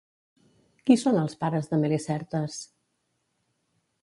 Qui són els pares de Melicertes?